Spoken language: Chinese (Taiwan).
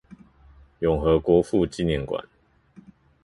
永和國父紀念館